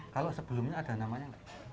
kalau sebelumnya ada namanya